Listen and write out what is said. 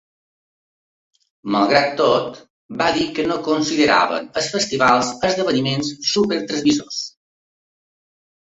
Malgrat tot, va dir que no consideraven els festivals “esdeveniments supertransmissors”.